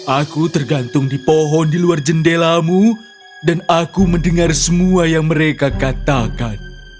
aku tergantung di pohon di luar jendelamu dan aku mendengar semua yang mereka katakan